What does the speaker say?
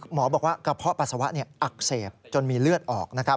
หมอบอกว่ากระเพาะปัสสาวะอักเสบจนมีเลือดออก